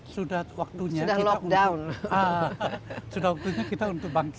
sudah waktunya kita untuk bangkit pelan pelan